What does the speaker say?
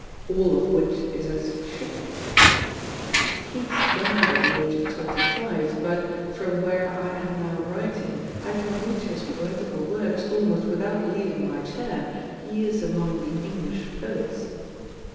All of which is as it should be. Keats died at the age of twenty five, but, from where I am now writing, I can reach his Poetical Works almost without leaving my chair; he is among the English Poets.